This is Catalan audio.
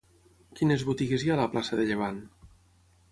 Quines botigues hi ha a la plaça de Llevant?